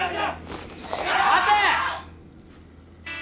・待て！